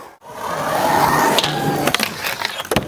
অবশ্য ইহারও কিছু মূল্য আছে।